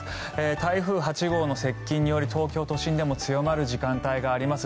台風８号の接近により東京都心でも強まる時間帯があります。